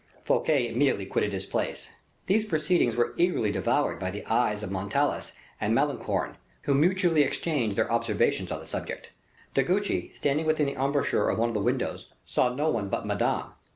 Fouquet immediately quitted his place. These proceedings were eagerly devoured by the eyes of Montalais and Malicorne, who mutually exchanged their observations on the subject. De Guiche, standing within the embrasure of one of the windows, saw no one but Madame.